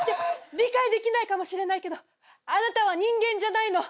理解できないかもしれないけどあなたは人間じゃないの。